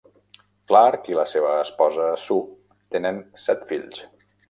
Clark i la seva esposa, Sue, tenen set fills.